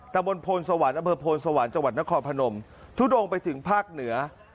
ตะบนโพลสวรรค์อำเภอโพนสวรรค์จังหวัดนครพนมทุดงไปถึงภาคเหนือ